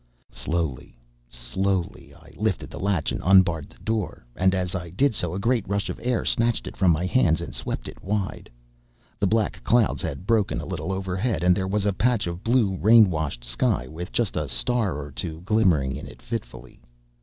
Slowly, slowly I lifted the latch and unbarred the door, and, as I did so, a great rush of air snatched it from my hands and swept it wide. The black clouds had broken a little overhead, and there was a patch of blue, rain washed sky with just a star or two glimmering in it fitfully.